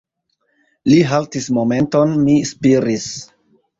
Li haltis momenton; mi spiris.